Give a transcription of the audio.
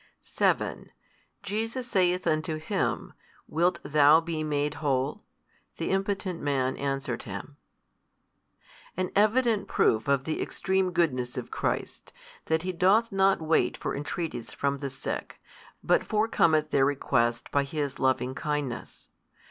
7 Jesus saith unto him, Wilt thou be made whole? The impotent man answered Him, An evident proof of the extreme goodness of Christ, that He doth not wait for entreaties from the sick, but forecometh their request by His Loving Kindness.